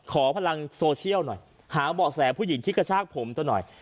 ขอพลังโซเชียลหน่อยหาเบาะแสผู้หญิงที่กระชากผมตัวหน่อย